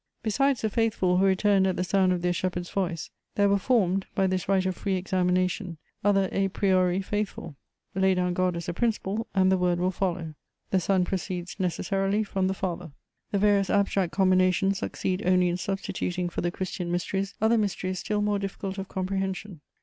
_ Besides the faithful who returned at the sound of their shepherd's voice, there were formed, by this right of free examination, other à priori faithful. Lay down God as a principle, and the Word will follow. The Son proceeds necessarily from the Father. The various abstract combinations succeed only in substituting for the Christian mysteries other mysteries still more difficult of comprehension.